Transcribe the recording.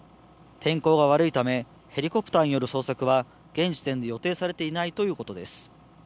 天候が悪いため、ヘリコプターによる捜索は、現時点で予定されていないということです。